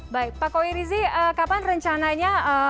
baik pak koirizi kapan rencananya